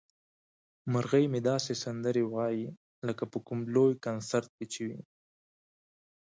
مرغۍ مې داسې سندرې وايي لکه په کوم لوی کنسرت کې چې وي.